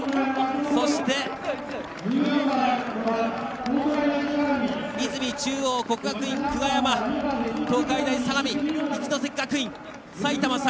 そして、出水中央、国学院久我山東海大相模、一関学院埼玉栄